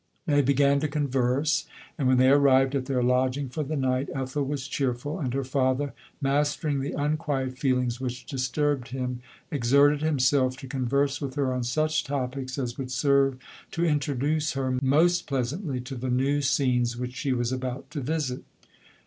They began to converse, and when they arrived at their lodging for the night, Ethel was cheer ful, and her father, mastering the unquiet feel ings which disturbed him, exerted himself to converse with her on such topics as would serve to introduce her most pleasantly to the new scenes which she was about to visit.